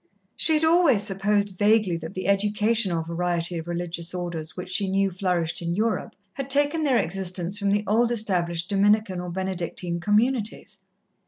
She had always supposed vaguely that the educational variety of religious Orders which she knew flourished in Europe had taken their existence from the old established Dominican or Benedictine communities.